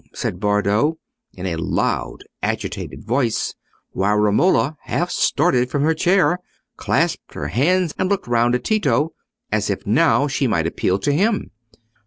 said Bardo, in a loud agitated voice, while Romola half started from her chair, clasped her hands, and looked round at Tito, as if now she might appeal to him.